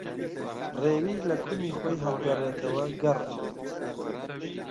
ڕێوی لە کونی خۆی ھەڵگەڕێتەوە گەڕ ئەبێت